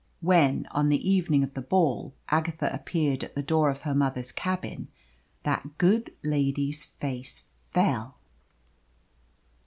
When, on the evening of the ball, Agatha appeared at the door of her mother's cabin, that good lady's face fell.